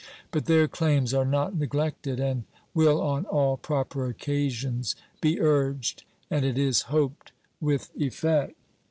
But their claims are not neglected, and will on all proper occasions be urged, and it is hoped with effect.